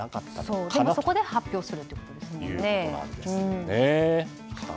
でもそこで発表するということなんですね。